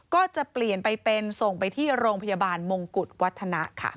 ก็จะเปลี่ยนไปเป็นส่งไปที่โรงพยาบาลมงกุฎวัฒนะค่ะ